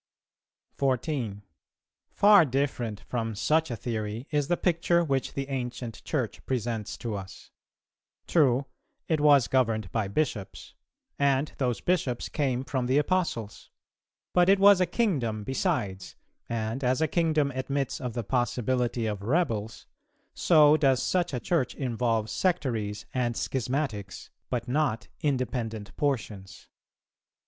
14. Far different from such a theory is the picture which the ancient Church presents to us; true, it was governed by Bishops, and those Bishops came from the Apostles, but it was a kingdom besides; and as a kingdom admits of the possibility of rebels, so does such a Church involve sectaries and schismatics, but not independent portions.